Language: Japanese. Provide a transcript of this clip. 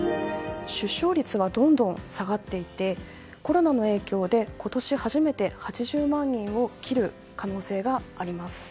出生率がどんどん下がっていてコロナの影響で、今年初めて８０万人を切る可能性があります。